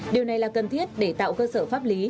điều này là cần thiết để tạo cơ sở pháp lý